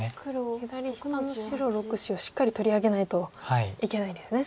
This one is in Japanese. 左下の白６子をしっかり取り上げないといけないんですね